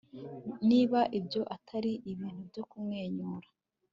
niba ibyo atari ibintu byo kumwenyura